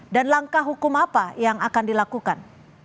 dan langkah hukum apa yang akan dilakukan